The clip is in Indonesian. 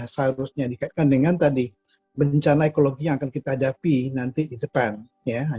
seharusnya dikaitkan dengan tadi bencana ekologi yang akan kita hadapi nanti di depan ya